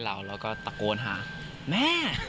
แล้วก็ตะโกนฮะ